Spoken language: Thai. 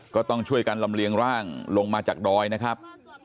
ก็ต้องช่วยกันลำเลียงร่างลงมาจากดอยนะครับ